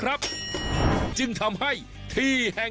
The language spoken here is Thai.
วันนี้พาลงใต้สุดไปดูวิธีของชาวเล่น